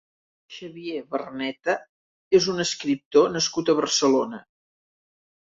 Xavier Vernetta és un escriptor nascut a Barcelona.